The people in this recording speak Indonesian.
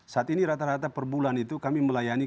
saat ini rata rata perbulan itu kami melayani